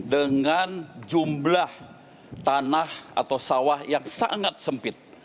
dengan jumlah tanah atau sawah yang sangat sempit